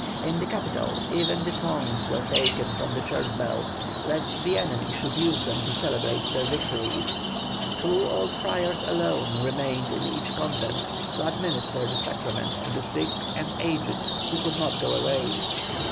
In the capital even the tongues were taken from the church bells, lest the enemy should use them to celebrate their victories. Two old friars alone remained in each convent to administer the sacraments to the sick and aged who could not go away.